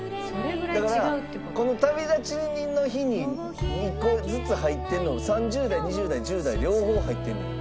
だからこの『旅立ちの日に』２個ずつ入ってるの３０代２０代１０代両方入ってんねや。